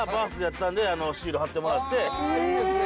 あいいですね。